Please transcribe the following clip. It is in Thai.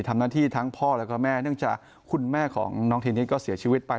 ทำหน้าที่ทั้งพ่อแล้วก็แม่เนื่องจากคุณแม่ของน้องเทนนิสก็เสียชีวิตไป